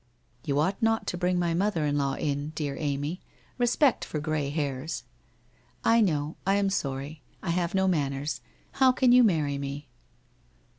I You ought not to bring my mother in law in, dear Amy. Respect for grey hairs !' I I know. I am sorry. I have no manners. How can you marry me